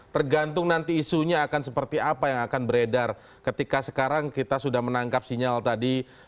tergantung nanti isunya akan seperti apa yang akan beredar ketika sekarang kita sudah menangkap sinyal tadi